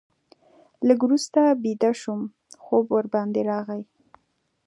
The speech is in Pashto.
لږ وروسته بیده شوم، خوب ورباندې راغی.